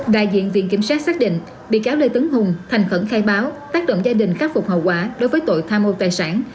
đại diện viện kiểm sát xác định bị cáo lê tấn hùng thành khẩn khai báo tác động gia đình khắc phục hậu quả đối với tội tham mô tài sản